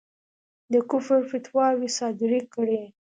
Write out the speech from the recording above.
د کُفر فتواوې صادري کړې.